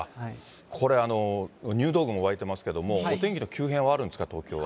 これ、入道雲湧いてますけれども、お天気の急変はあるんですか、東京は。